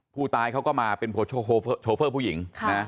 ผู้ตายเขาก็มาเป็นโชเฟอร์ผู้หญิง